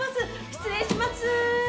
失礼します。